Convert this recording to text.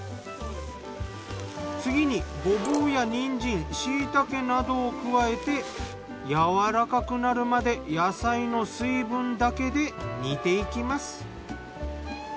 次にごぼうやにんじん椎茸などを加えてやわらかくなるまで野菜の水分だけで煮ていきます。